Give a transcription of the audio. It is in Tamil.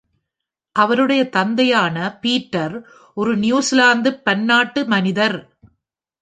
அவருடைய தந்தையான பீட்டர் ஒரு நியூ சிலாந்துப் பன்னாட்டு மனிதர்.